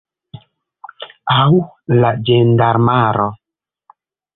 Aŭ la ĝendarmaro.